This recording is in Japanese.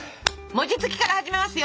餅つきから始めますよ。